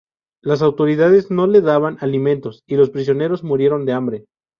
Las autoridades no les daban alimentos, y los prisioneros murieron de hambre.